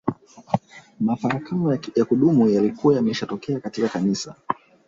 Mafarakano ya kudumu yalikuwa yameshatokea katika Kanisa